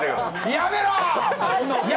やめろー！